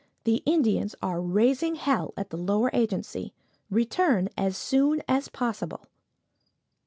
The Indians are raising hell at the Lower Agency. Return as soon as possible."